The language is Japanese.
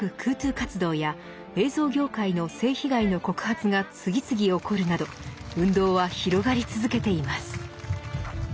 活動や映像業界の性被害の告発が次々起こるなど運動は広がり続けています。